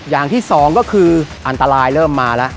อย่างที่สองก็คืออันตรายเริ่มมาแล้ว